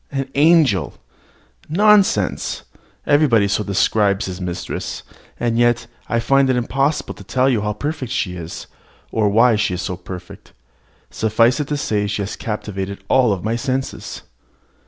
An angel! Nonsense! Everybody so describes his mistress; and yet I find it impossible to tell you how perfect she is, or why she is so perfect: suffice it to say she has captivated all my senses.